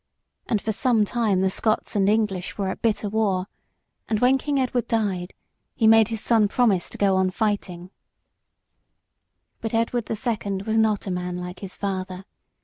And for some time the Scots and English were at bitter war, and when King Edward died, he made his son promise to go on fighting. [Sidenote: A.D. 1307.] But Edward the Second was not a man like his father.